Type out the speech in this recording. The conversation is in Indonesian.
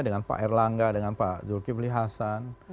dengan pak erlangga dengan pak zulkifli hasan